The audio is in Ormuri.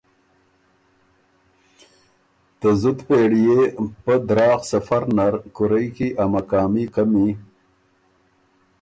ته زُت پېړئے پۀ دراغ سفر نر کورئ کی ا مقامي قمی